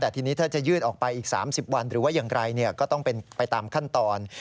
แต่ทีนี้ถ้าจะยื่นออกไปอีก๓๐วันหรือว่าอย่างไรก็ต้องเป็นไปตามขั้นตอน